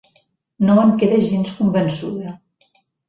No en queda gens convençuda.